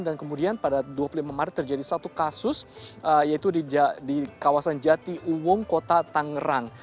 dan kemudian pada tanggal dua puluh lima maret terjadi satu kasus yaitu di kawasan jati uwung kota tangerang